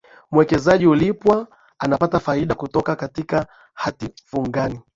mwekezaji hulipwa anapata faida kutoka katika hati fungani